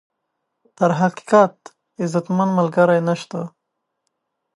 تر حقیقت، عزتمن ملګری نشته.